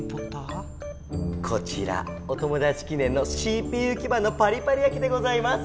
こちらお友だち記ねんのＣＰＵきばんのパリパリやきでございます。